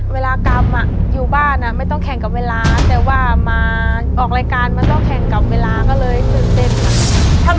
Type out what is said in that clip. เวลากรรมอยู่บ้านไม่ต้องแข่งกับเวลาแต่ว่ามาออกรายการมันต้องแข่งกับเวลาก็เลยตื่นเต้นค่ะ